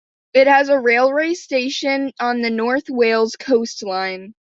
It has a railway station on the North Wales Coast Line.